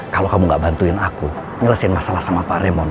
kalau kamu gak bantuin aku nyelesin masalah sama pak remon